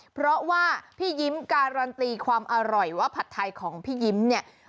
เพราะว่าพี่ยิ้มการันตีความอร่อยว่าผัดไทยของพี่ยิ้มเนี่ย